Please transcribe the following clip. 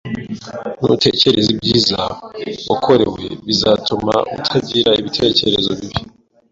Nutekereza ibyiza wakorewe bizatuma utagira ibitekerezo bibi.